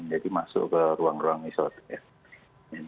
jadi masuk ke ruang ruang isoternya